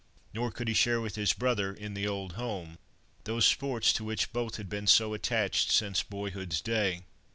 Nor could he share with his brother, in the old home, those sports to which both had been so attached since boyhood's day.